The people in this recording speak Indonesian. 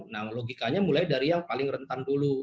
nah logikanya mulai dari yang paling rentan dulu